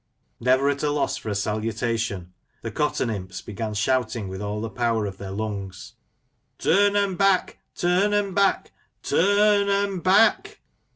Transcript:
Never at a loss for a salutation, the cotton imps began shouting with all the power of their lungs, " Turn 'um back 1 Turn 'um back ! Tur r r n 'um back